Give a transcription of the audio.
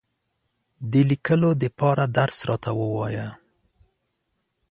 د لیکلو دپاره درس راته ووایه !